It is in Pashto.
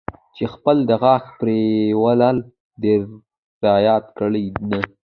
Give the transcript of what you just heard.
چې خپل د غاښ پرېولل در یاد کړي، نه.